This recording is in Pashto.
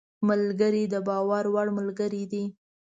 ملګری د باور وړ ملګری دی